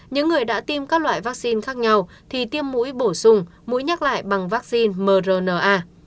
những người đã tiêm các loại vaccine khác nhau thì tiêm mũi bổ sung mũi nhắc lại bằng vaccine mrna